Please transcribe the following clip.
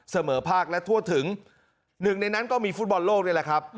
เสมอภาคและทั่วถึงหนึ่งในนั้นก็มีฟุตบอลโลกนี่แหละครับ